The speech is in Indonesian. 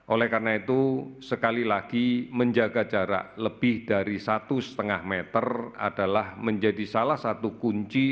oleh karena itu sekali lagi menjaga jarak lebih dari satu lima meter adalah menjadi salah satu kunci